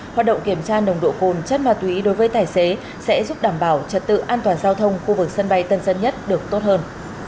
hoạt động kiểm tra nồng độ cồn chất ma túy đối với tài xế sẽ giúp đảm bảo trật tự an toàn giao thông khu vực sân bay tân dân nhất được tốt hơn